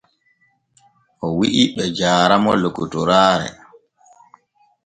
O wi’i be jaara mo lokotoraare.